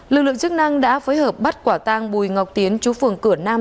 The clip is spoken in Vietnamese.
lực lượng chức năng đã phối hợp bắt quả tang bùi ngọc tiến chú phường cửa nam